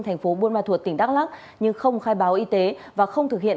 thành phố buôn ma thuột tỉnh đắk lắc nhưng không khai báo y tế và không thực hiện